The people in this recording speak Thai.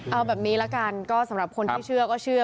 เอาแบบนี้ละกันก็สำหรับคนที่เชื่อก็เชื่อ